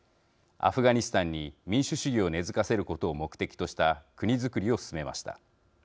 アフガニスタンに民主主義を根づかせることを目的とした国づくりを進めました。